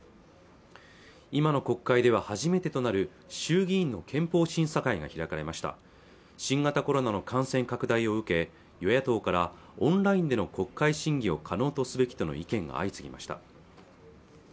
今の国会では初めてとなる衆議院の憲法審査会が開かれました新型コロナの感染拡大を受け与野党からオンラインでの国会審議を可能とすべきとの意見が相次ぎました